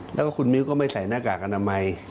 แล้วก็คุณมิ้วก็ไม่ใส่หน้ากากอนามัย